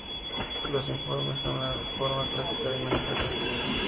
Los informes son la forma clásica de manejar las salidas.